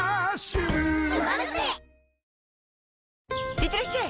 いってらっしゃい！